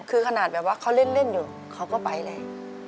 คือขนาดแบบว่าเขาเล่นอยู่เขาก็ไปเลย